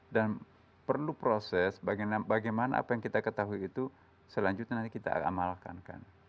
dan perlu proses bagaimana apa yang kita ketahui itu selanjutnya nanti kita amalkan kan